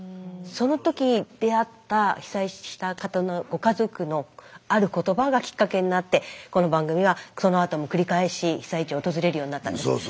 その時出会った被災した方のご家族のある言葉がきっかけになってこの番組はそのあとも繰り返し被災地を訪れるようになったんです。